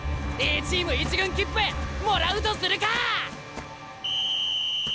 Ａチーム１軍切符もらうとするかぁ！